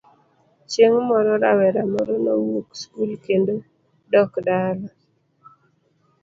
Chieng' moro rawera moro nowuok skul kendo dok dala.